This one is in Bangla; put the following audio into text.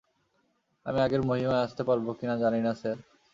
আমি আগের মহিমায় আসতে পারব কিনা জানি না, স্যার।